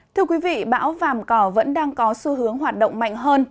thưa quý vị bão vàm cỏ vẫn đang có xu hướng hoạt động mạnh hơn